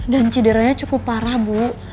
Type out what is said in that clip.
dan cederanya cukup parah bu